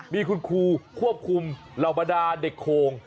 มีคุณครูควบคุมเหล่าบรรดาเด็กโคง